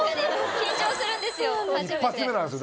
緊張するんですよ。